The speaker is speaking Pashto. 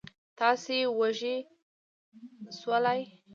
تاسې وږي شولئ.